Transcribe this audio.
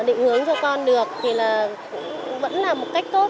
định hướng cho con được thì là cũng vẫn là một cách tốt